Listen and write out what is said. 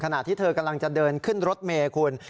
ขณะที่เธอกำลังจะเดินขึ้นรถเมย์คุณ